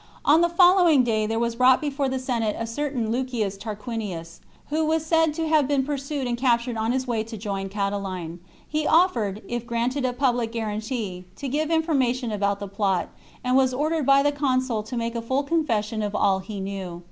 On the following day there was brought before the Senate a certain Lucius Tarquinius, who was said to have been pursued and captured on his way to join Catiline. He offered, if granted a public guarantee, to give information about the plot, and was ordered by the consul to make a full confession of all he knew.